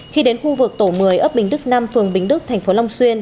khi đến khu vực tổ một mươi ấp bình đức năm phường bình đức thành phố long xuyên